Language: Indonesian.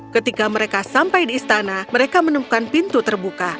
ketika mereka sampai di istana mereka menemukan pintu terbuka